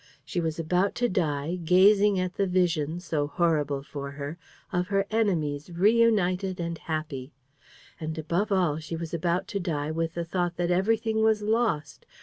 She was about to die gazing at the vision, so horrible for her, of her enemies reunited and happy. And above all she was about to die with the thought that everything was lost.